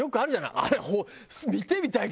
あれ見てみたいけどね。